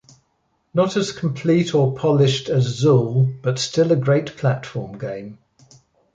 Not as complete or polished as "Zool", but still a great platform game.